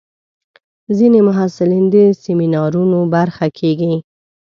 ځینې محصلین د سیمینارونو برخه کېږي.